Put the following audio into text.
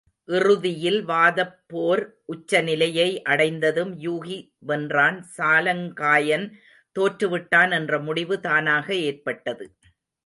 இறுதியில் வாதப் போர் உச்ச நிலையை அடைந்ததும், யூகி வென்றான் சாலங்காயன் தோற்றேவிட்டான் என்ற முடிவு தானாக ஏற்பட்டது.